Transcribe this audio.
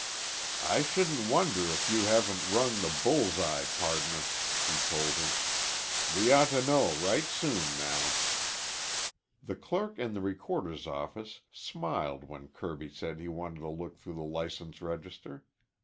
"I shouldn't wonder if you haven't rung the bull's eye, pardner," he told her. "We ought to know right soon now." The clerk in the recorder's office smiled when Kirby said he wanted to look through the license register.